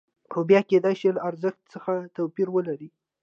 خو بیه کېدای شي له ارزښت څخه توپیر ولري